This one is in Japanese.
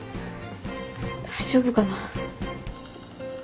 大丈夫かな。